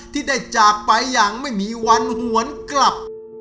ที่ได้จากไปอย่างไม่มีวันหวนกลับ